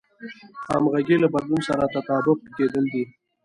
همغږي له بدلون سره تطابق کېدل دي.